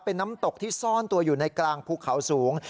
เป็นน้ำตกที่ซ่อนตัวอยู่ในกลางภูเขาสูง